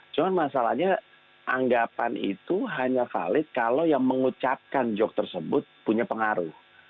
cuma masalahnya anggapan itu hanya valid kalau yang mengucapkan joke tersebut punya pengaruh